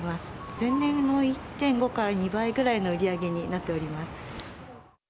前年の１．５から２倍ぐらいの売り上げになっております。